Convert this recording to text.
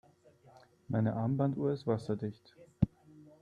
Meine Armbanduhr ist wasserdicht.